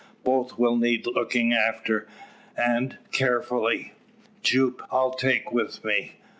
Both will need looking after and carefully. Jupe I'll take with me."